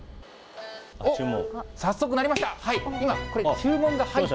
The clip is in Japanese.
早速鳴りました。